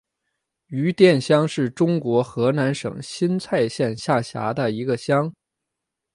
余店乡是中国河南省新蔡县下辖的一个乡。